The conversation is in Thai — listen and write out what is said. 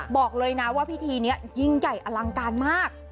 บอกเลยนะว่าพิธีนี้ยิ่งใหญ่อลังการมาก